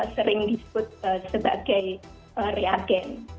sering disebut sebagai reagens